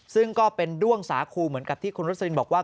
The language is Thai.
ซึ่งก็เป็นด้วงสาคูเหมือนกับที่คุณรสลินบอกว่า